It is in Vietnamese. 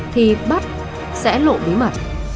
thì bắt sẽ lộ bí mật